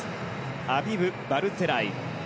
アビブ・バルツェライ。